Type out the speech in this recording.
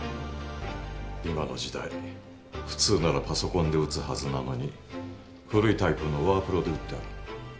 今の時代普通ならパソコンで打つはずなのに古いタイプのワープロで打ってある。